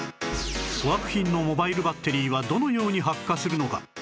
粗悪品のモバイルバッテリーはどのように発火するのか？